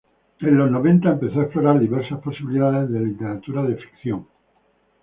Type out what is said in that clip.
En los noventa empezó a explorar diversas posibilidades en la literatura de ficción.